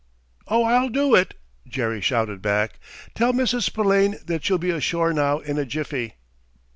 "Oh, I'll do it!" Jerry shouted back. "Tell Mrs. Spillane that she'll be ashore now in a jiffy!"